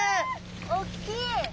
おっきい！